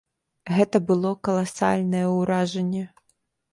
Гэта было каласальнае ўражанне.